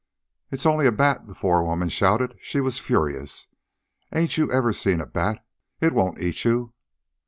"It's only a bat!" the forewoman shouted. She was furious. "Ain't you ever seen a bat? It won't eat you!"